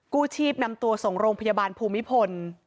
กู้ชีพนำตัวส่งโรงพยาบาลภูมิพล